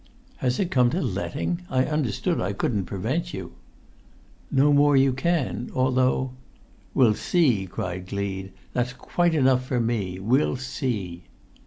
"Has it come to letting? I understood I couldn't prevent you?" "No more you can; although——" "We'll see!" cried Gleed. "That's quite enough for me. We'll see!"